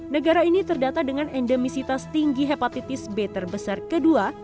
negara ini terdata dengan endemisitas tinggi hepatitis b terbesar kedua